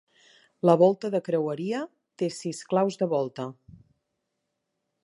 La volta de creueria, té sis claus de volta.